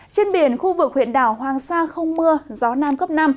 trên biển khu vực huyện đảo hoàng sa không mưa gió nam cấp năm